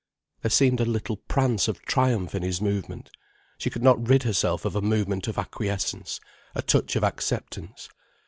There seemed a little prance of triumph in his movement, she could not rid herself of a movement of acquiescence, a touch of acceptance.